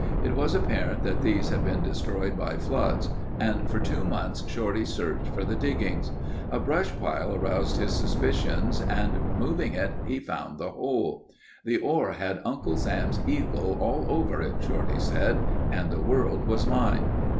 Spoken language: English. It was apparent that these had been destroyed by floods and for two months Shorty searched for the diggings. A brush pile aroused his suspicions and removing it, he found the hole. "The ore had Uncle Sam's eagle all over it," Shorty said, "and the world was mine."